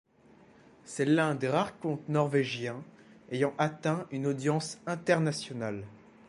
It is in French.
C'est l'un des rares contes norvégiens ayant atteint une audience internationale.